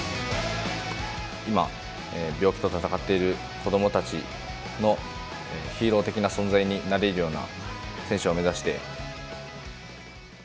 今、病気と闘っている子どもたちのヒーロー的な存在になれるような選手を目指して。